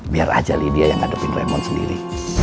biar aja lydia yang ngadepin raymond sendiri